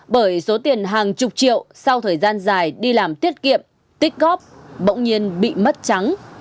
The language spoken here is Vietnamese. bởi số tiền hàng chục triệu sau thời gian dài đi làm tiết kiệm tích góp bỗng nhiên bị mất trắng